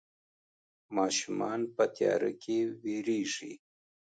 ماشومان په تياره کې ويرېږي.